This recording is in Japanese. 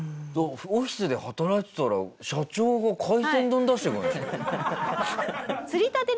オフィスで働いてたら社長が海鮮丼出してくるんでしょ？